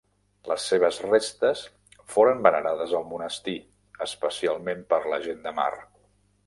Les seves restes foren venerades al monestir, especialment per la gent de mar.